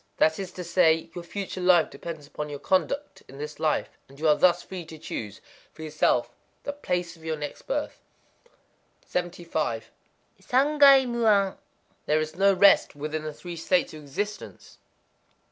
That is to say, Your future life depends upon your conduct in this life; and you are thus free to choose for yourself the place of your next birth. 75.—Sangai mu an. There is no rest within the Three States of Existence.